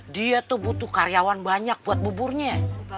dia tuh butuh karyawan banyak buat buburnya